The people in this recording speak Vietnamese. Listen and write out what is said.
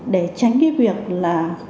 để tránh cái việc là